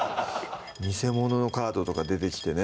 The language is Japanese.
偽物のカードとか出てきてね